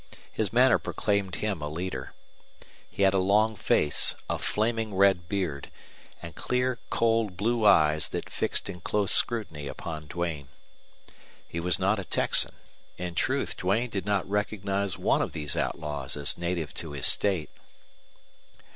His manner proclaimed him a leader. He had a long face, a flaming red beard, and clear, cold blue eyes that fixed in close scrutiny upon Duane. He was not a Texan; in truth, Duane did not recognize one of these outlaws as native to his state.